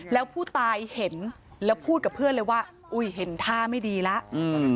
แล้วผู้ตายเห็นแล้วพูดกับเพื่อนเลยว่าอุ้ยเห็นท่าไม่ดีแล้วอืม